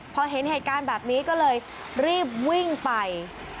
พอเห็นเหตุการณ์แบบนี้ก็เลยรีบวิ่งไป